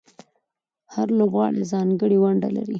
هر لوبغاړی ځانګړې ونډه لري.